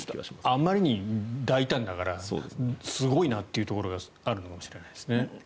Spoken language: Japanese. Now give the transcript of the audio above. あまりに大胆だからすごいなというところがあるのかもしれないですね。